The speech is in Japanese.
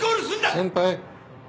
先輩。